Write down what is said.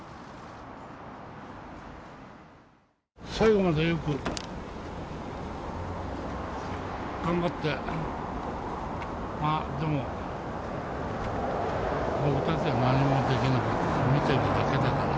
最後までよく、頑張って、まあでも、僕たちはなんにもできなかった、見ているだけだから。